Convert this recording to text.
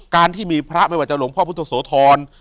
การที่มีพระไม่ว่าจะหลวงพ่อพุทธโสธร